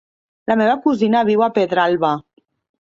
La meva cosina viu a Pedralba.